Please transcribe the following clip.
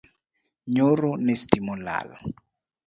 Nyoro ne stima olal